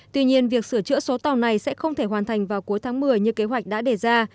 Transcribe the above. tuy nhiên việc sửa chữa số tàu này sẽ không thể hoàn thành vào cuối tháng một mươi như kế hoạch đã đề ra